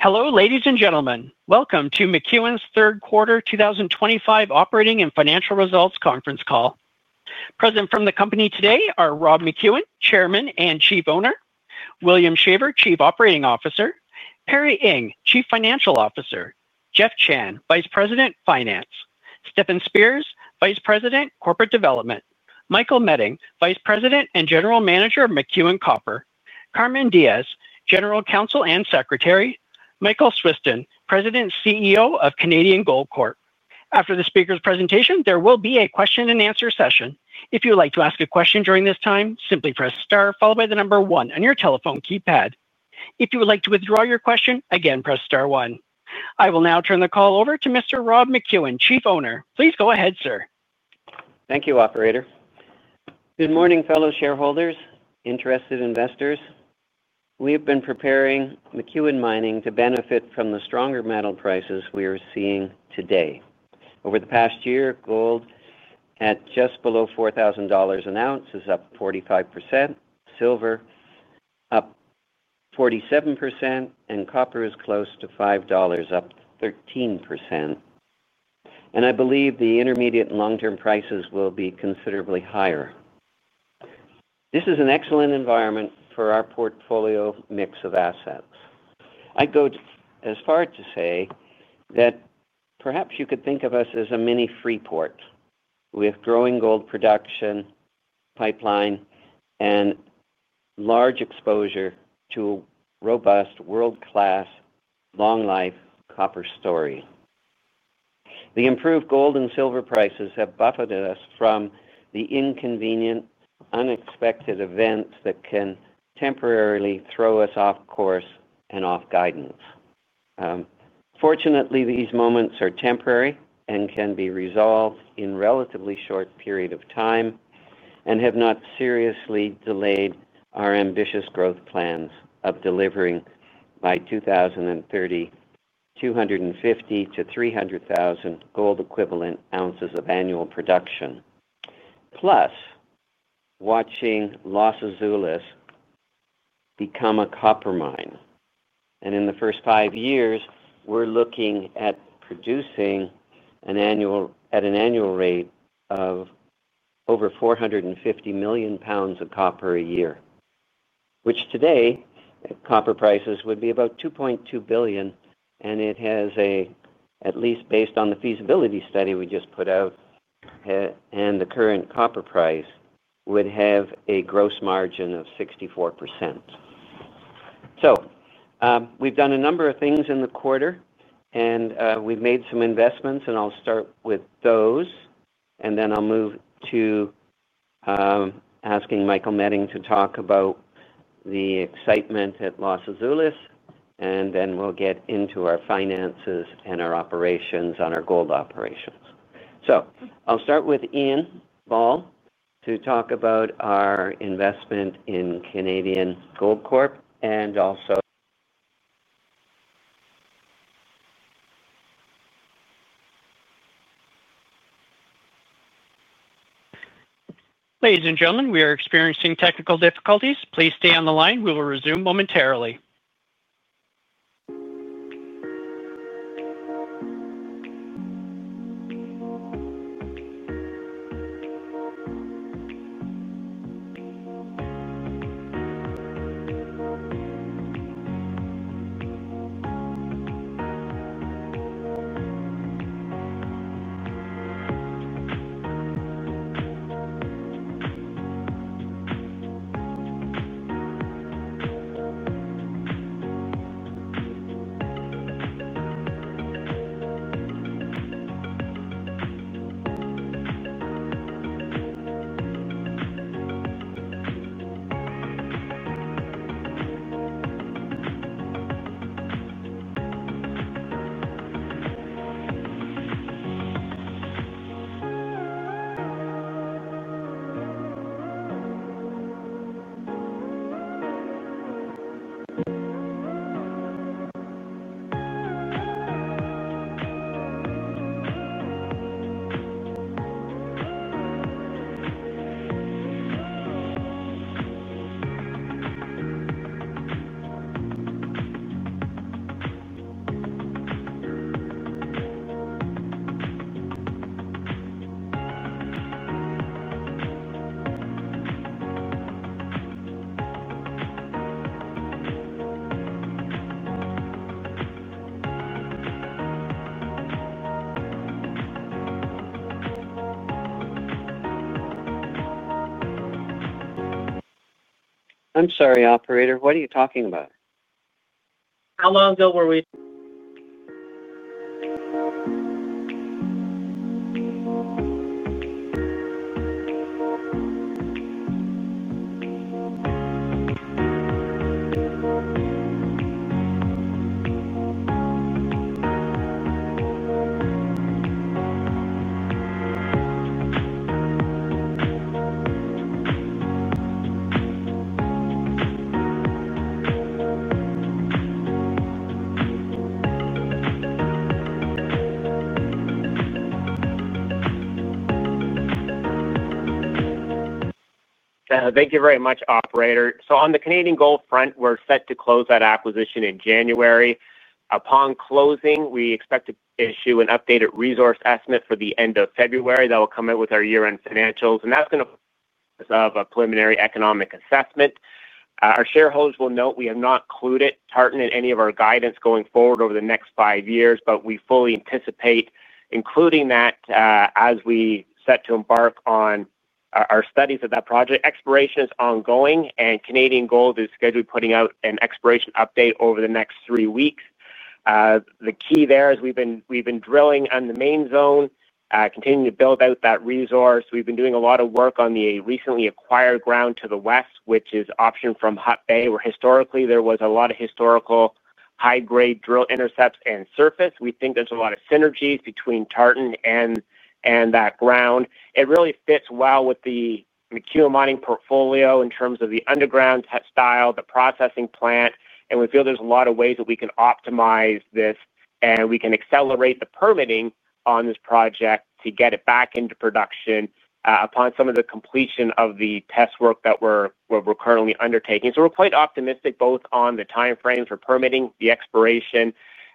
Hello, ladies and gentlemen. Welcome to McEwen's Third Quarter 2025 Operating and Financial Results Conference Call. Present from the company today are Rob McEwen, Chairman and Chief Owner; William Shaver, Chief Operating Officer; Perry Ing, Chief Financial Officer; Jeff Chan, Vice President, Finance; Stephen Spears, Vice President, Corporate Development; Michael Meding, Vice President and General Manager of McEwen Copper; Carmen Diaz, General Counsel and Secretary; Michael Swiston, President and CEO of Canadian Gold Corp. After the speakers' presentation, there will be a question and answer session. If you would like to ask a question during this time, simply press star followed by the number one on your telephone keypad. If you would like to withdraw your question, again press star one. I will now turn the call over to Mr. Rob McEwen, Chief Owner. Please go ahead, sir. Thank you, Operator. Good morning, fellow shareholders and interested investors. We have been preparing McEwen Mining to benefit from the stronger metal prices we are seeing today. Over the past year, gold at just below $4,000 an ounce is up 45%, silver up 47%, and copper is close to $5, up 13%. I believe the intermediate and long-term prices will be considerably higher. This is an excellent environment for our portfolio mix of assets. I would go as far to say that perhaps you could think of us as a mini Freeport, with growing gold production pipeline and large exposure to a robust, world-class, long-life copper story. The improved gold and silver prices have buffered us from the inconvenient, unexpected events that can temporarily throw us off course and off guidance. Fortunately, these moments are temporary and can be resolved in a relatively short period of time and have not seriously delayed our ambitious growth plans of delivering by 2030 250,000-300,000 gold-equivalent ounces of annual production. Plus, watching Los Azules become a copper mine. In the first five years, we're looking at producing at an annual rate of over 450 million lbs of copper a year, which today, at copper prices, would be about $2.2 billion, and it has, at least based on the feasibility study we just put out and the current copper price, would have a gross margin of 64%. We've done a number of things in the quarter, and we've made some investments, and I'll start with those, and then I'll move to. Asking Michael Meding to talk about the excitement at Los Azules, and then we'll get into our finances and our operations on our gold operations. I will start with Ian Ball to talk about our investment in Canadian Gold Corp and also. Ladies and gentlemen, we are experiencing technical difficulties. Please stay on the line. We will resume momentarily. I'm sorry, Operator. What are you talking about? How long ago were we? Thank you very much, Operator. On the Canadian Gold front, we're set to close that acquisition in January. Upon closing, we expect to issue an updated resource estimate for the end of February that will come out with our year-end financials, and that's going to be part of a preliminary economic assessment. Our shareholders will note we have not included Tartan in any of our guidance going forward over the next five years, but we fully anticipate including that as we set to embark on our studies of that project. Exploration is ongoing, and Canadian Gold is scheduled to be putting out an exploration update over the next three weeks. The key there is we've been drilling on the main zone, continuing to build out that resource. We've been doing a lot of work on the recently acquired ground to the west, which is optioned from Hutt Bay, where historically there was a lot of high-grade drill intercepts and surface. We think there's a lot of synergies between Tartan and that ground. It really fits well with the McEwen Mining portfolio in terms of the underground style, the processing plant, and we feel there's a lot of ways that we can optimize this, and we can accelerate the permitting on this project to get it back into production upon some of the completion of the test work that we're currently undertaking. We are quite optimistic both on the timeframes for permitting, the exploration,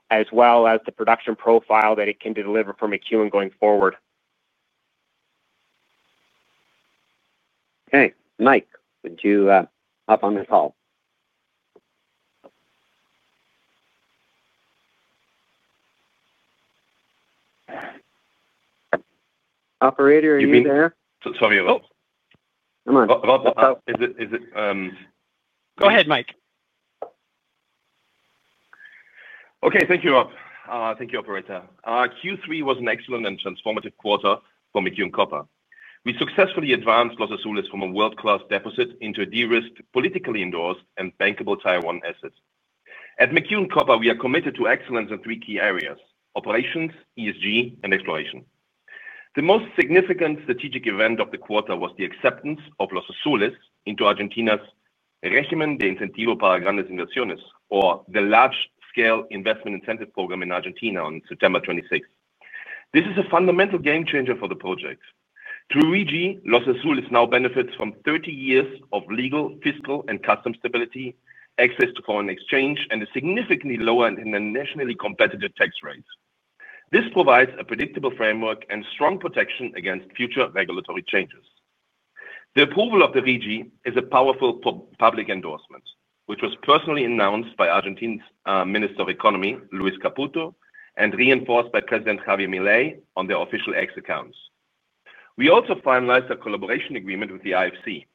as well as the production profile that it can deliver for McEwen going forward. Okay. Mike, would you hop on the call? Operator, are you there? You mean? Tell me about. Oh. Come on. About the. Go ahead, Mike. Okay. Thank you, Rob. Thank you, Operator. Q3 was an excellent and transformative quarter for McEwen Copper. We successfully advanced Los Azules from a world-class deposit into a de-risked, politically endorsed, and bankable Tier 1 asset. At McEwen Copper, we are committed to excellence in three key areas: operations, ESG, and exploration. The most significant strategic event of the quarter was the acceptance of Los Azules into Argentina's Régimen de Incentivo para Grandes Inversiones, or the Large-Scale Investment Incentive Program in Argentina, on September 26th. This is a fundamental game changer for the project. Through REGI, Los Azules now benefits from 30 years of legal, fiscal, and customs stability, access to foreign exchange, and a significantly lower and internationally competitive tax rate. This provides a predictable framework and strong protection against future regulatory changes. The approval of the REGI is a powerful public endorsement, which was personally announced by Argentine Minister of Economy, Luis Caputo, and reinforced by President Javier Milei on their official X accounts. We also finalized a collaboration agreement with the IFC,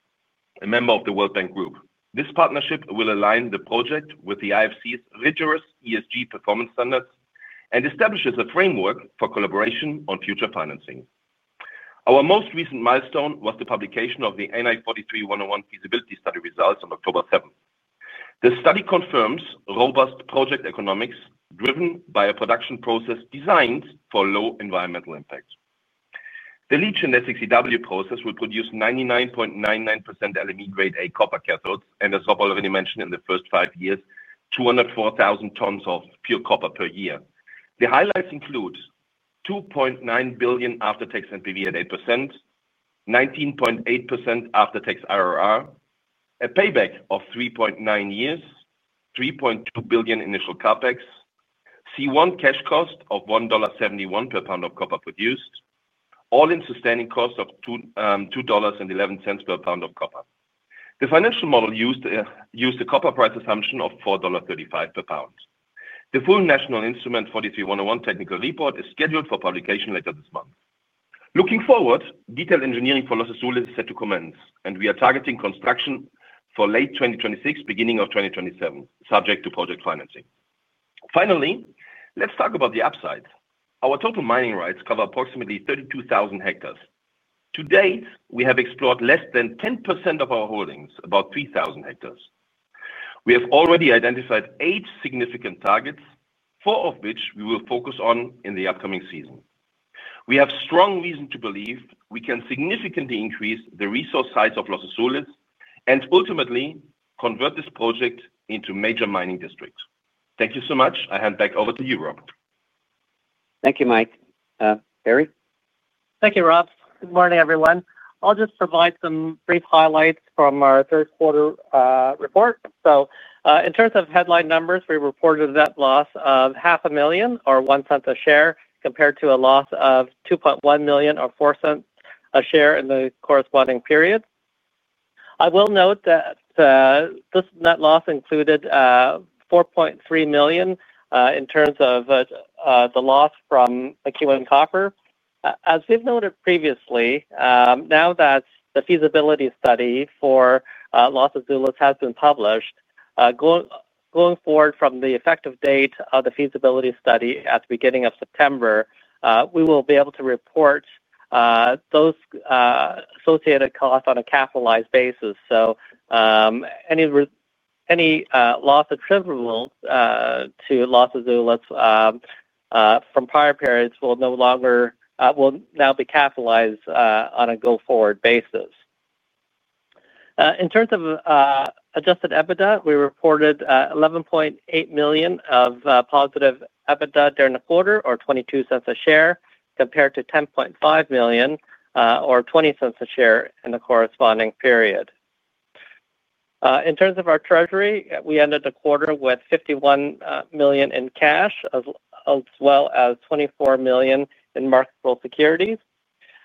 a member of the World Bank Group. This partnership will align the project with the IFC's rigorous ESG performance standards and establishes a framework for collaboration on future financing. Our most recent milestone was the publication of the NI 43-101 feasibility study results on October 7th. The study confirms robust project economics driven by a production process designed for low environmental impact. The LEACH and SXEW process will produce 99.99% LME Grade A copper cathodes and, as Rob already mentioned, in the first five years, 204,000 tons of pure copper per year. The highlights include $2.9 billion after-tax NPV at 8%. 19.8% after-tax IRR, a payback of 3.9 years, $3.2 billion initial CapEx, C1 cash cost of $1.71 per pound of copper produced, all-in sustaining cost of $2.11 per pound of copper. The financial model used a copper price assumption of $4.35 per pound. The full National Instrument 43-101 technical report is scheduled for publication later this month. Looking forward, detailed engineering for Los Azules is set to commence, and we are targeting construction for late 2026, beginning of 2027, subject to project financing. Finally, let's talk about the upside. Our total mining rights cover approximately 32,000 hectares. To date, we have explored less than 10% of our holdings, about 3,000 hectares. We have already identified eight significant targets, four of which we will focus on in the upcoming season. We have strong reason to believe we can significantly increase the resource size of Los Azules and ultimately convert this project into a major mining district. Thank you so much. I hand back over to you, Rob. Thank you, Mike. Perry? Thank you, Rob. Good morning, everyone. I'll just provide some brief highlights from our third-quarter report. In terms of headline numbers, we reported a net loss of $500,000, or $0.01 per share, compared to a loss of $2.1 million, or $0.04 a share, in the corresponding period. I will note that this net loss included $4.3 million in terms of the loss attributable to McEwen Copper. As we've noted previously, now that the feasibility study for Los Azules has been published, going forward from the effective date of the feasibility study at the beginning of September, we will be able to report those associated costs on a capitalized basis. Any loss attributable to Los Azules from prior periods will now be capitalized on a going forward basis. In terms of. Adjusted EBITDA, we reported $11.8 million of positive EBITDA during the quarter, or $0.22 a share, compared to $10.5 million, or $0.20 a share, in the corresponding period. In terms of our treasury, we ended the quarter with $51 million in cash, as well as $24 million in marketable securities.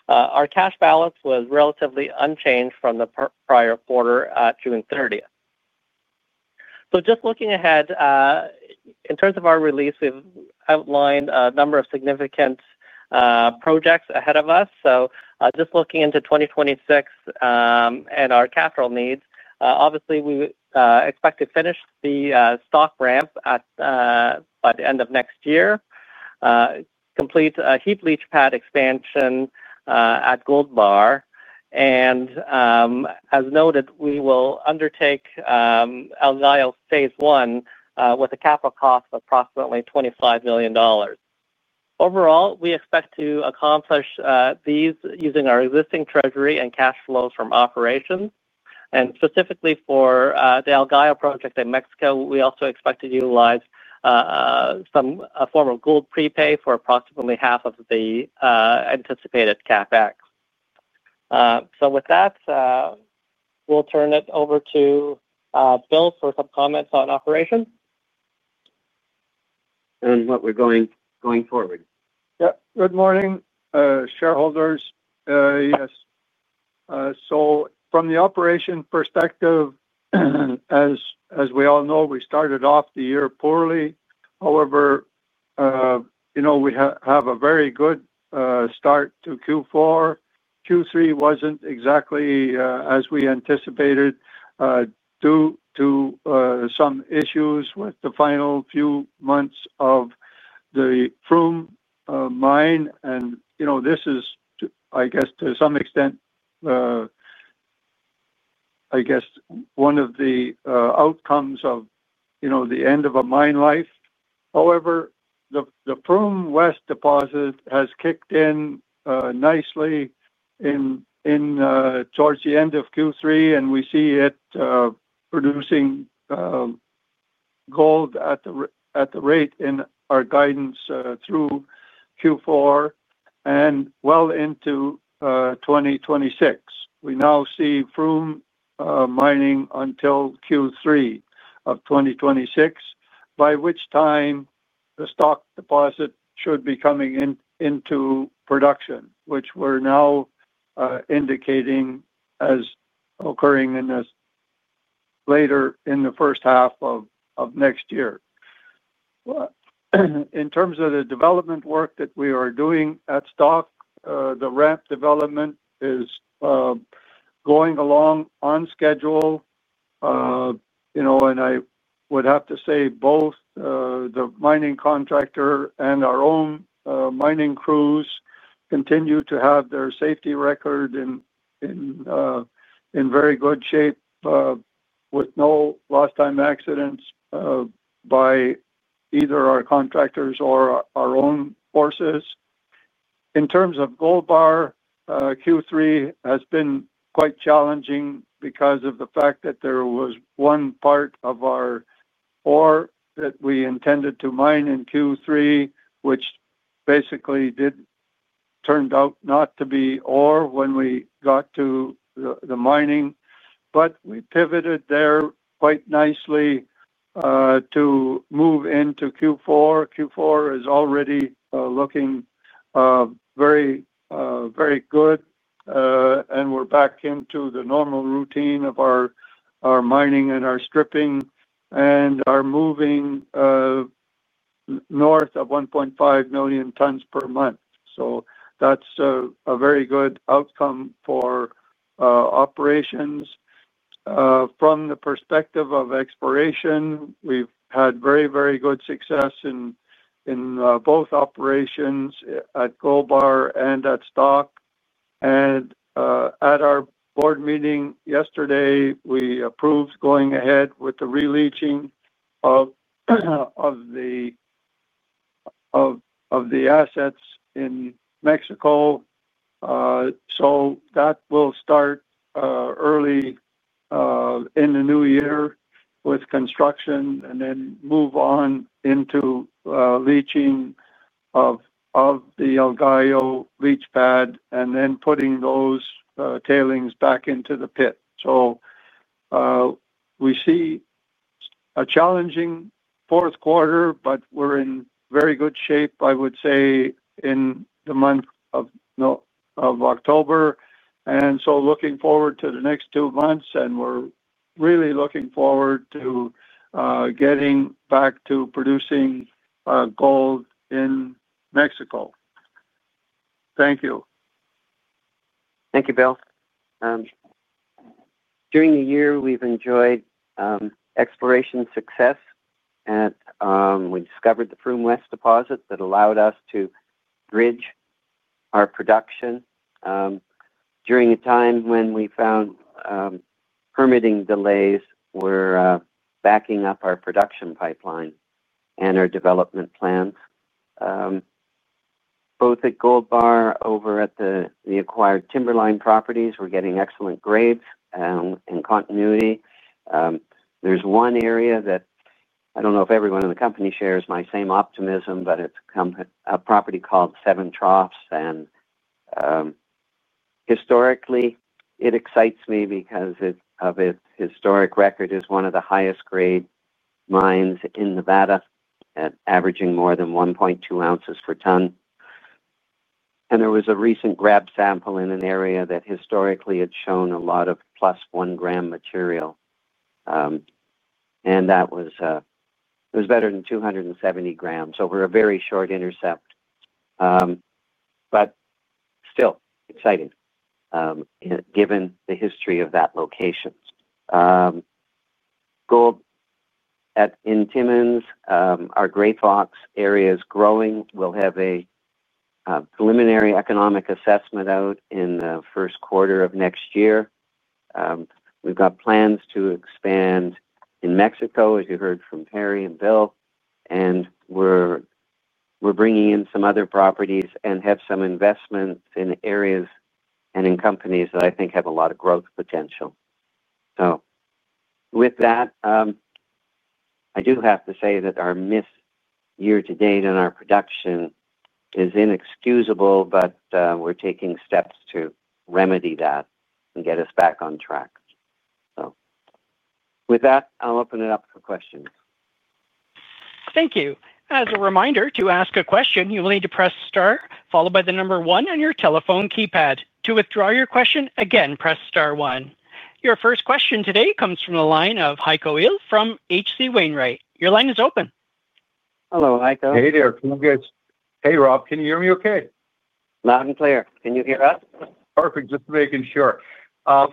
Our cash balance was relatively unchanged from the prior quarter at June 30, 2025. Just looking ahead, in terms of our release, we've outlined a number of significant projects ahead of us. Just looking into 2026 and our capital needs, obviously, we expect to finish the stock ramp by the end of next year, complete a heap leach pad expansion at Gold Bar, and, as noted, we will undertake Algaio Phase One with a capital cost of approximately $25 million. Overall, we expect to accomplish these using our existing treasury and cash flows from operations. Specifically for the El Gallo project in Mexico, we also expect to utilize some form of gold prepay for approximately 50% of the anticipated capital expenditure (CapEx). With that, we will turn it over to Bill for some comments on operations. What we're going forward. Yep. Good morning, shareholders. Yes. From the operation perspective, as we all know, we started off the year underperforming, but we had a strong start to Q4 2025. Q3 2025 was not exactly as we anticipated due to some issues with the final few months of the FROOM mine. This is, I guess, to some extent, one of the outcomes of the end of a mine life. However, the FROOM West deposit has kicked in nicely towards the end of Q3, and we see it producing gold at the rate in our guidance through Q4 2025 and well into 2026. We now see FROOM mining until Q3 2026, by which time the Stock deposit should be coming into production, which we are now projected for the first half of 2026. In terms of the development work that we are doing at Stock, the ramp development is going along on schedule. Both the mining contractor and McEwen Mining crews continue to maintain anexcellent have safety record, with no lost-time accidents by either our contractors or our own forces. In terms of Gold Bar, Q3 2025 has been quite challenging because of the fact that there was one part of our ore that we intended to mine in Q3, which basically did turn out not to be ore when we got to the mining. We pivoted there quite nicely to move into Q4 2025. Q4 is already looking very good, and we're back into the normal routine of our mining and our stripping and are moving north of 1.5 million tons per month. That's a very good outcome for operations. From an exploration perspective, we've had very, very good success in both operations at Gold Bar and at Stock. At our board meeting yesterday, we approved going ahead with the re-leaching of the assets in Mexico. That will start early in 2026 with construction and then move on into leaching of the El Gallo leach pad and then putting those tailings back into the pit. We see a challenging Q4 2025, but we're in very good shape, I would say, in the month of October 2025. Looking forward to the next two months, we're really looking forward to getting back to producing gold in Mexico. Thank you. Thank you, Bill. During 2025, McEwen Mining has acieved strong exploration results. We discovered the FROOM West deposit, which allowed us to maintain production during permitting delays. We're backing up our production pipeline and our development plans. Both at Gold Bar, over at the acquired Timberline properties, we're getting excellent grades and continuity. There's one area that I don't know if everyone in the company shares my same optimism, but it's a property called Seven Troughs. Historically, it excites me because of its historic record. It is one of the highest-grade mines in Nevada, averaging >1.2 ounces per ton. There was a recent grab sample in an area that historically had shown a lot of plus 1 gram material. That was better >270 grams over a very short intercept, but still exciting given the history of that location. Gold. At our Grey Fox area, it is growing. We will have a preliminary economic assessment (PEA) is expected in Q1 2026. We have plans to expand in Mexico, as you heard from Perry and Bill. We are bringing in some other properties and have some investments in areas and in companies that I think have a lot of growth potential. With that, I do have to say that our missed year-to-date in our production is inexcusable, but we are taking steps to remedy that and get us back on track. With that, I will open it up for questions. Thank you. As a reminder, to ask a question, you will need to press Star +1 on your telephone keypad. To withdraw your question, press Star +1 again. Your first question today comes from the line of Heiko Ehl from HC Wainwright. Your line is open. Hello, Heiko. Hello, Rob. Can you hear me clearly? Loud and clear. Can you hear us clearly? Perfect. Just making sure.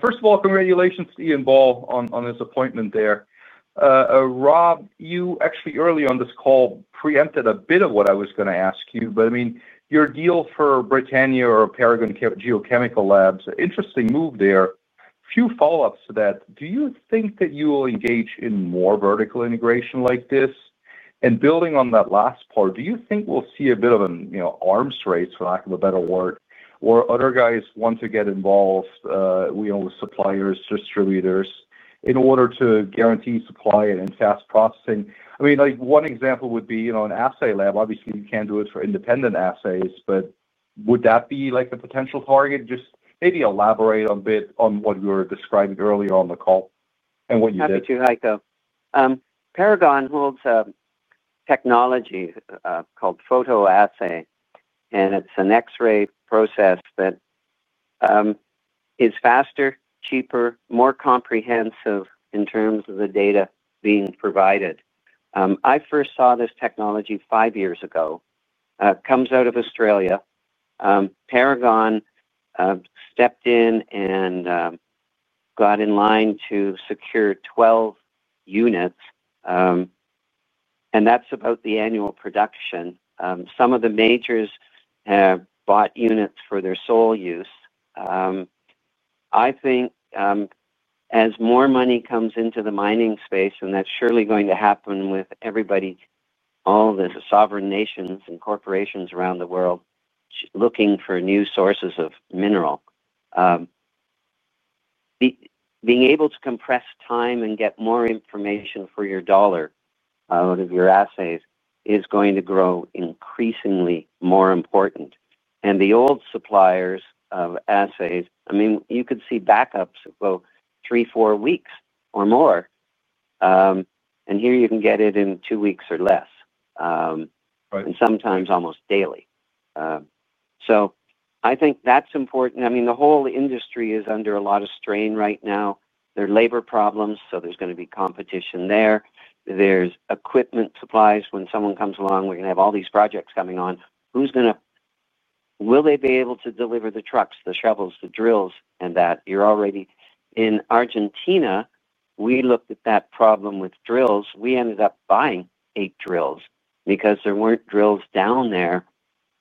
First of all, congratulations to Ian Ball on his appointment there. Rob, you actually, early on this call, preempted a bit of what I was going to ask you. I mean, your deal for Britannia/Paragon Geochemical Labs, interesting move there. A few follow-ups to that. Do you think that you will engage in more vertical integration like this? Building on that last part, do you think we'll see a bit of an arms race, for lack of a better word, where other guys want to get involved with suppliers, distributors, in order to guarantee supply and fast processing? I mean, one example would be an assay laboratory. Obviously, you can't do it for independent assays, but would that be a potential target? Just maybe elaborate a bit on what you were describing earlier on the call and what you did. Happy to answer, Heiko. Paragon holds a technology called photo assay, and it's an X-ray process that is faster, cheaper, more comprehensive in terms of the data being provided. I first saw this technology five years ago. It comes out of Australia. Paragon stepped in and got in line to secure 12 units, and that's about the annual production. Some of the majors have bought units for their sole use. I think as more money comes into the mining space, and that's surely going to happen with everybody, all the sovereign nations and corporations around the world looking for new sources of mineral, being able to compress time and get more information for your dollar out of your assays is going to grow increasingly more important. I mean, you could see backups of three-to four-weeks or more from the old suppliers of assays. You can get it in two weeks or less. Sometimes almost daily. I think that's important. I mean, the whole industry is under a lot of strain right now. There are labor problems, so there's going to be competition there. There are equipment supplies. When someone comes along, we're going to have all these projects coming on. Will they be able to deliver the trucks, the shovels, the drills, and that? You're already in Argentina. We looked at that problem with drills. We ended up buying eight drills because there were not drills down there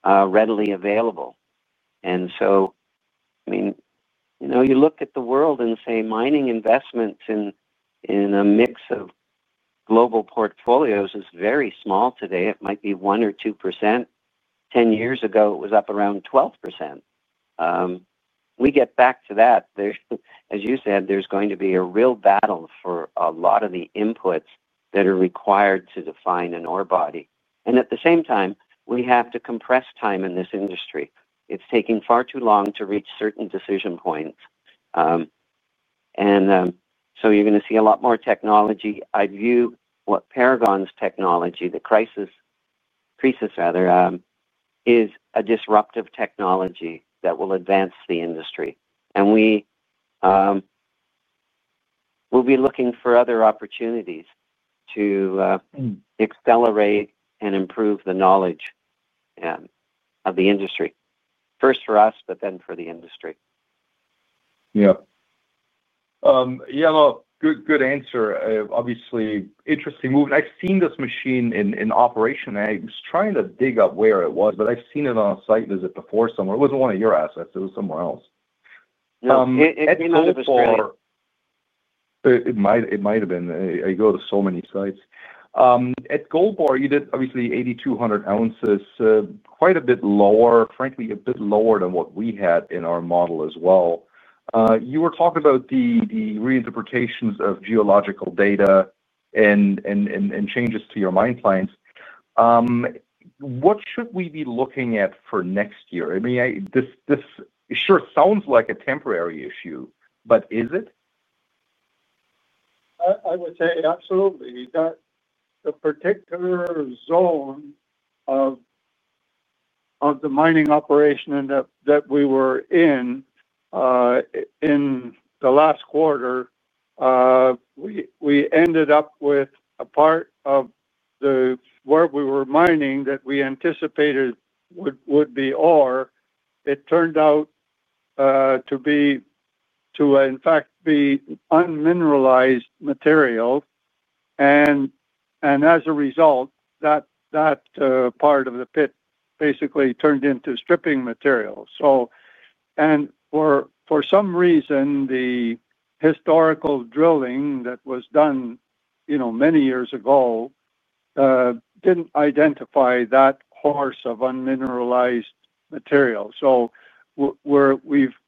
readily available. I mean, you look at the world and say mining investments in a mix of global portfolios is very small today, around 1-2%. Ten years ago, it was up around 12%. We get back to that. As you said, there's going to be a real battle for a lot of the inputs that are required to define an ore body. At the same time, we have to compress time in this industry. It's taking far too long to reach certain decision points. You're going to see a lot more technology. Technologies like Paragon's Crisis system, represent disruptive innovation that will advance the industry. We will be looking for other opportunities to accelerate and improve the knowledge of the industry. First for us, but then for the industry. Yeah. Acknowledged the response and noted that he had observed the technology in operation during a prior site visit at a different location. It's kind of a store. It might have been. I go to so many sites. At Gold Bar production of 8,200 ounces, quite a bit lower, frankly, a bit lower than what we had in our model as well. You were talking about the reinterpretations of geological data. And changes to your mine plans. What should we be looking at for next year? I mean. This sure sounds like a temporary issue, but is it? I would say absolutely. That particular zone of the mining operation that we were in in the last quarter, we ended up with a part of the where we were mining that we anticipated would be ore, it turned out to be, to in fact, be unmineralized material. As a result, that part of the pit basically turned into stripping material. For some reason, the historical drilling that was done many years ago didn't identify that course of unmineralized material.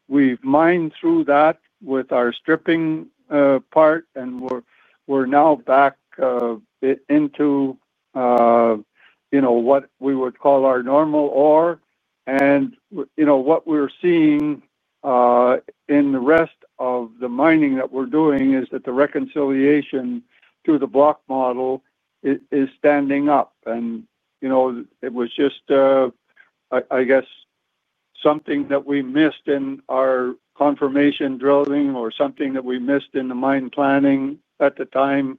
We've mined through that with our stripping part, and we're now back into what we would call our normal ore. What we're seeing in the rest of the mining that we're doing is that the reconciliation to the block model is standing up. It was just, I guess. Something that we missed in our confirmation drilling or something that we missed in the mine planning at the time.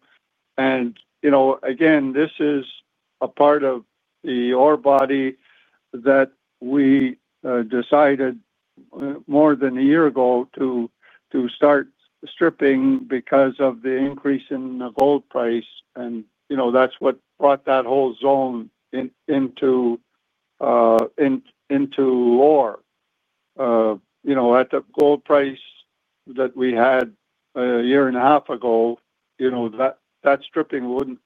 This is a part of the ore body that we decided more than a year ago to start stripping because of the increase in the gold price. That is what brought that whole zone into ore. At the gold price that we had a year and a half ago, that stripping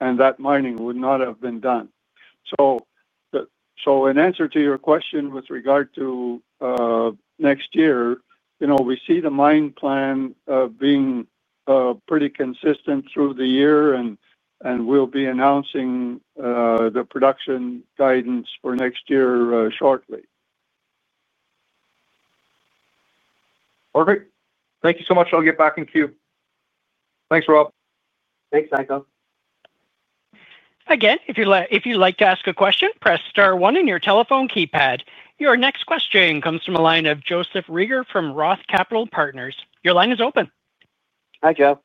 and that mining would not have been done. In answer to your question with regard to next year, we see the mine plan being pretty consistent through the year, and we'll be announcing the production guidance for next year shortly. Perfect. Thank you so much. I'll get back in queue. Thanks, Rob. Thanks, Heiko. Again, if you'd like to ask a question, press Star one on your telephone keypad. Your next question comes from the line of Joseph Reager from Roth Capital Partners. Your line is open. Hi, Jeff.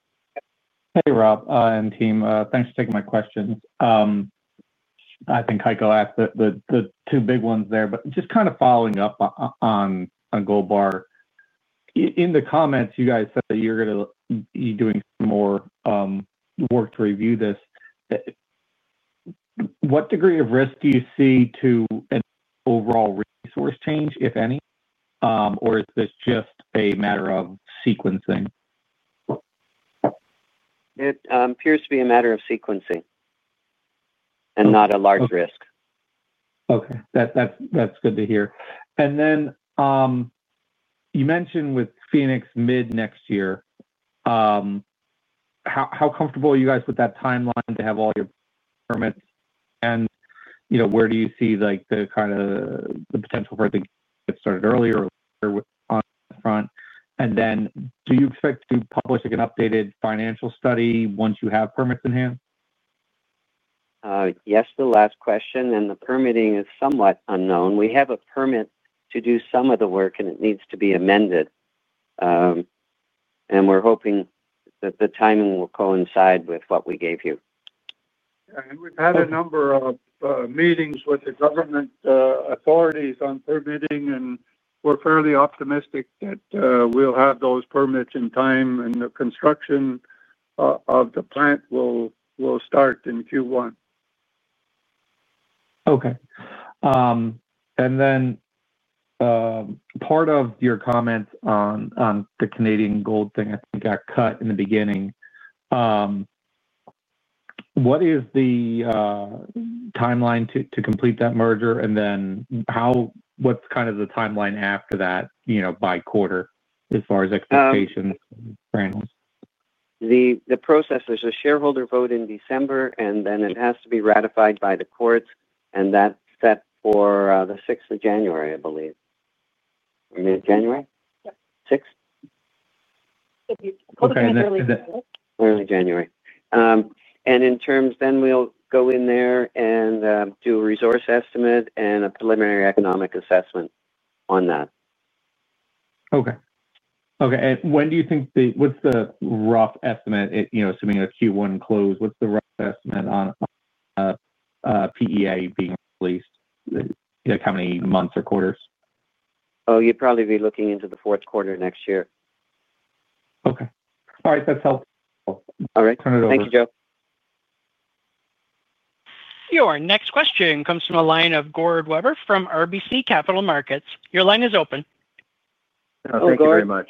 Hey, Rob and team. Thanks for taking my questions. I think Heiko asked the two big ones there, but just kind of following up on Gold Bar. In the comments, you guys said that you're going to be doing more work to review this. What degree of risk do you see to an overall resource change, if any? Or is this just a matter of sequencing? It appears to be a matter of sequencing and does not represent a significant risk. Thank you. Regarding Phoenix mid next year, how confident are you with that timeline to have all your permits? Where do you see the kind of the potential for it to get started earlier or later on the front? Do you expect to publish an updated financial study once you have permits in hand? Regarding your last question. The permitting are somewhat uncertein. We have a permit to do some of the work, and it needs to be amended. We expect the timing to align with the previously provided schedule. We have conducted several meetings with the government authorities regarding permitting. We're fairly optimistic that we'll have those permits in time, and the construction of the plant will start in Q1. Regarding your comment on the Canadian Gold marger, I think got cut in the beginning. What is the timeline to complete that merger? What is kind of the timeline after that by quarter as far as expectations and granules? The process, there's a shareholder vote in December, and then it has to be ratified by the courts, and that's set for the 6th of January, I believe. Mid-January? 6th? Early January. Early January. In terms then we'll go in there and do a resource estimate and a preliminary economic assessment on that. Okay. Okay. And when do you think the, what's the rough estimate? Assuming a Q1 close, what's the rough estimate on PEA being released? How many months or quarters? Oh, you'd probably be looking into the fourth quarter next year. Okay. All right. That's helpful. All right. Turn it over. Thank you, Joe. Your next question comes from a line of Gord Weber from RBC Capital Markets. Your line is open. Thank you very much.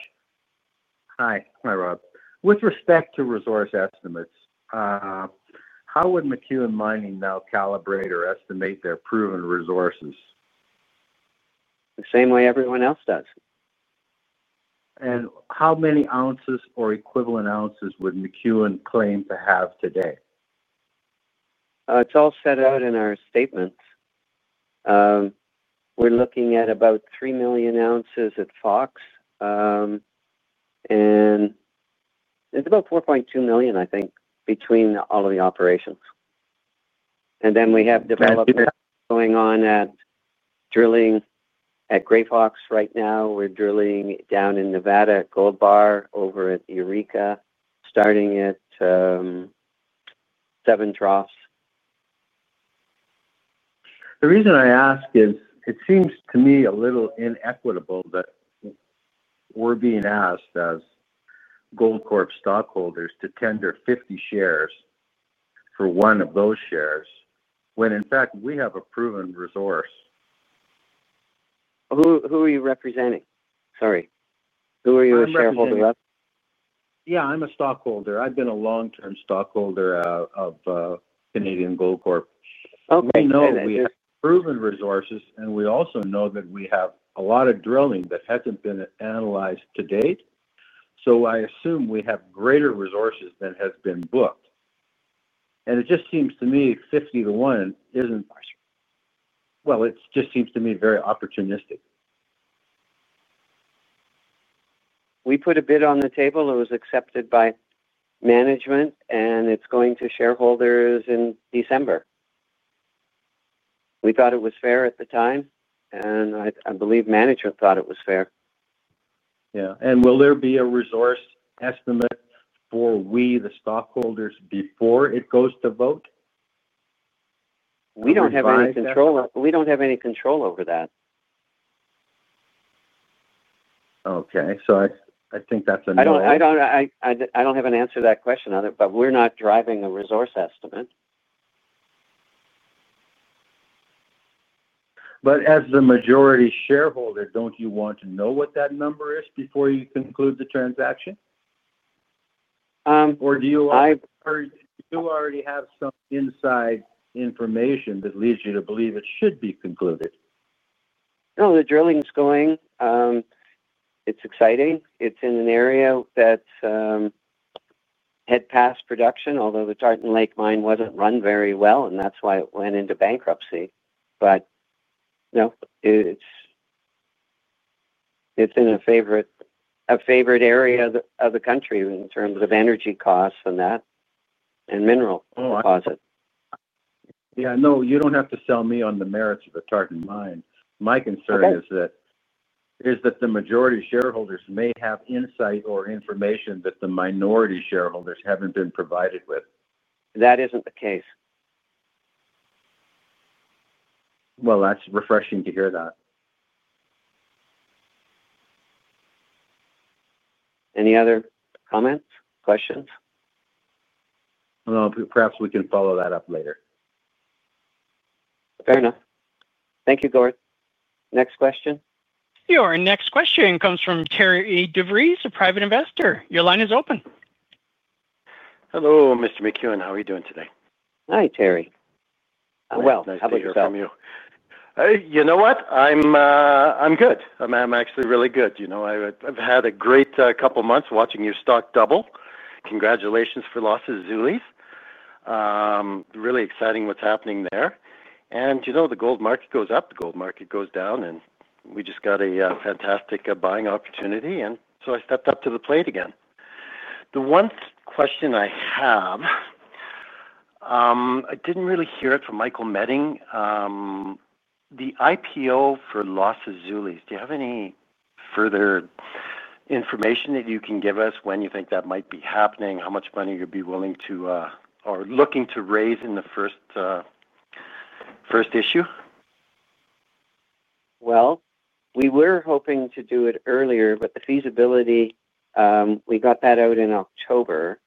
With respect to resource estimates, how does McEwen Mining currently calibrate or estimate it's proven resources? The same way everyone else does. How many ounces or equivalent ounces would McEwen claim to have today? It's all set out in our statements. We're looking at about 3 million ounces at Fox. It's about 4.2 million, I think, between all of the operations. We have development going on at Gray Fox right now. We're drilling down in Nevada at Gold Bar, Eureka, and Seven Troughs. I ask because it seems to inequitable for Canadian Gold Corp stockholders to tender 50 shares for one share, in fact, we have a proven resource. Who are you representing? Sorry. Who are you a shareholder of? Yeah. I'm a stockholder. I've been a long-term stockholder of Canadian Gold Corp. We know we have proven resources, and we also know that we have a lot of drilling that hasn't been analyzed to date. So I assume we have greater resources than has been booked. The 50-to-1 ratio appears opportunistic. We put a bid on the table. It was accepted by management, and it's going to shareholders in December. We thought it was fair at the time, and I believe management thought it was fair. Yeah. Will there be a resource estimate for we, the stockholders, before it goes to vote? McEwen Mining does not have control over that process. Okay. I think that's another one. I don't have an answer to that question, but we're not driving a resource estimate. As the majority shareholder, do not you want to know what that number is before you conclude the transaction? Or do you already have some inside information that leads you to believe it should be concluded? Drilling is ongoing. It's exciting. It's in an area that's had past production, although the Tartan Lake mine wasn't run very well, and that's why it went into bankruptcy. No, it's in a favorite area of the country in terms of energy costs and that, and mineral deposits. Yeah. No, you don't have to sell me on the merits of the Tartan mine. My concern is that the majority shareholders may have insight or information that the minority shareholders haven't been provided with. That isn't the case. That's reassuring to hear. Are there any additional comments or questions? Perhaps we can follow that up later. Thank you, Gord. Next question, please. Your next question comes from Terry DeVries, a private investor. Your line is open. Hello, Mr. McEwen. How are you doing today? Hi, Terry. I'm well. How about yourself? How about yourself? You know what? I'm good. I'm actually really good. I've had a great couple of months watching your stock double. Congratulations for Los Azules. Really exciting what's happening there. The gold market goes up, the gold market goes down, and we just got a fantastic buying opportunity. I stepped up to the plate again. The one question I have. I didn't really hear it from Michael Meding. The IPO for Los Azules, do you have any further information that you can give us when you think that might be happening, how much money you'd be willing to or looking to raise in the first issue? We were hoping to do it earlier, but the feasibility, we got that out in October.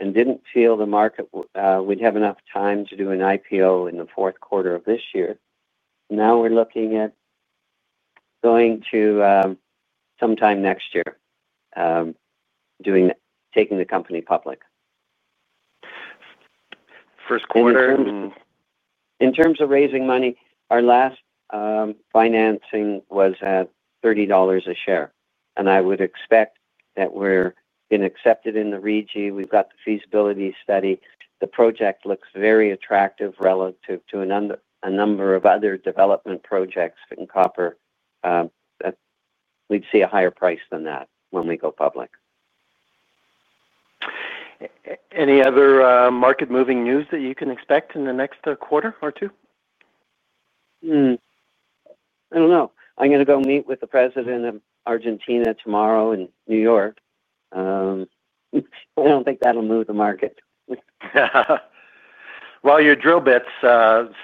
We did not feel the market would have enough time to do an IPO in the fourth quarter of this year. Now we are looking at going to sometime next year, taking the company public. First quarter? In terms of raising money, our last financing was at $30 per share. I would expect that we've been accepted in the REGI. We've got the feasibility study. The project looks very attractive relative to a number of other development projects in copper. We'd see a higher price than that when we go public. Any other market-moving news that you can expect in the next quarter or two? I don't know. I'm going to go meet with the president of Argentina tomorrow in New York. I don't think that'll move the market. Your drill bits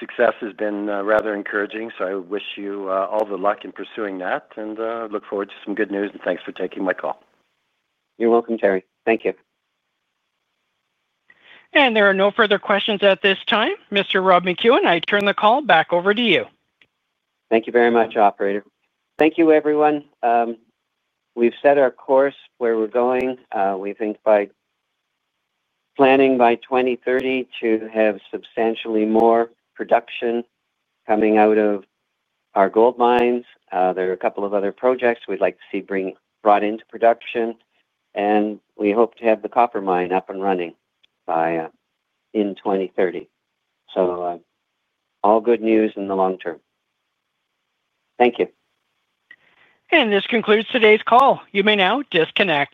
success has been rather encouraging, so I wish you all the luck in pursuing that. I look forward to some good news, and thanks for taking my call. You're welcome, Terry. Thank you. There are no further questions at this time. Mr. Rob McEwen, I turn the call back over to you. Thank you very much, operator. Thank you, everyone. We've set our course where we're going. We think by planning by 2030 to have substantially more production coming out of our gold mines. There are a couple of other projects we'd like to see brought into production. We hope to have the copper mine up and running in 2030. All good news in the long term. Thank you. This concludes today's call. You may now disconnect.